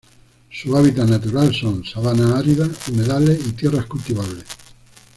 Su hábitat natural son: sabanas áridas, humedales y tierras cultivables.